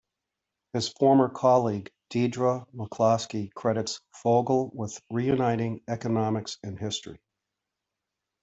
His former colleague Deirdre McCloskey credits Fogel with "reuniting economics and history".